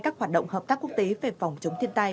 các hoạt động hợp tác quốc tế về phòng chống thiên tai